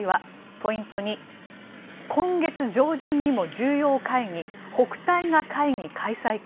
ポイント２、今月上旬にも重要会議、北戴河会議開催か。